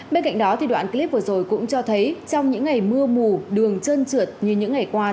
bên cạnh đó đoạn clip vừa rồi cũng cho thấy trong những ngày mưa mù đường trơn trượt như những ngày qua